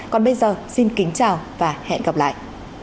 còn bây giờ xin kính chào và hẹn gặp lại